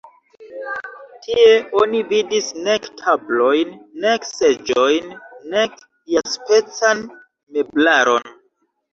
Tie oni vidis nek tablojn, nek seĝojn, nek iaspecan meblaron.